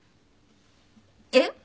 えっ？